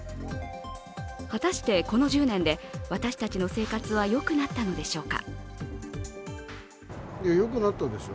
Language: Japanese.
果たして、この１０年で私たちの生活はよくなったのでしょうか。